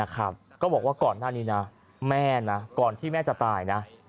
ก็บอกว่าก่อนหน้านี้นะแม่นะก่อนที่แม่จะตายนะ